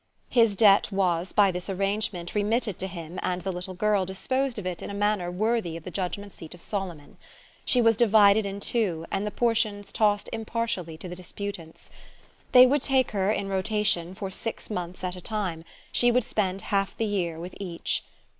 His debt was by this arrangement remitted to him and the little girl disposed of in a manner worthy of the judgement seat of Solomon. She was divided in two and the portions tossed impartially to the disputants. They would take her, in rotation, for six months at a time; she would spend half the year with each.